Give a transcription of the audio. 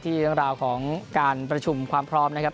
เรื่องราวของการประชุมความพร้อมนะครับ